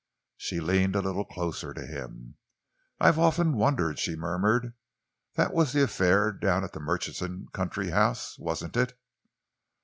She leaned a little closer to him. "I have often wondered," she murmured. "That was the affair down at the Murchison country house, wasn't it?"